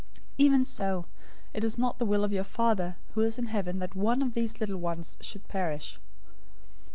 018:014 Even so it is not the will of your Father who is in heaven that one of these little ones should perish.